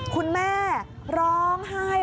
คุณแม่ร้องไห้